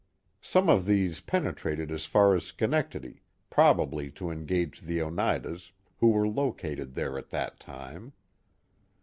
Some of these pene trated as far as Schenectady, probably to engage the Oneidas, who were located there at that time.